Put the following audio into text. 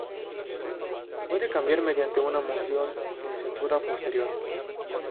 Puede cambiar mediante una moción de censura posterior.